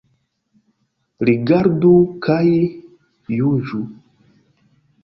Rigardu kaj juĝu.